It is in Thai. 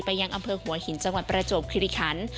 ยังอำเภอหัวหินจังหวัดประจวบคิริคัน